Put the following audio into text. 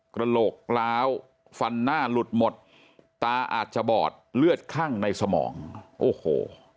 กระโหลกร้าวฟันหน้าหลุดหมดตาอาจจะบอดเลือดคั่งในสมองโอ้โห